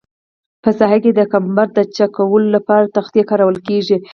په ساحه کې د کمبر د چک کولو لپاره تختې کارول کیږي